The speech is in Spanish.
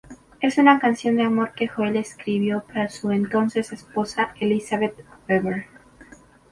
Es una canción de amor que Joel escribió para su entonces esposa, Elizabeth Weber.